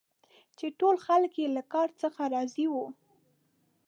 چي ټول خلک یې له کار څخه راضي وه.